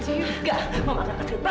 tapi itu kekecewa lagi